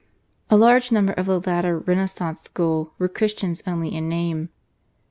A large number of the later Renaissance school were Christians only in name.